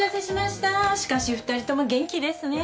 しかし２人とも元気ですね。